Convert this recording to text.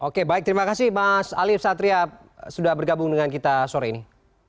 oke baik terima kasih mas alief satria sudah bergabung dengan kita sore ini